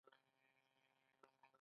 تعلیم ولې حق دی؟